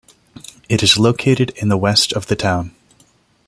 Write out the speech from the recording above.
It is located in the west of the town.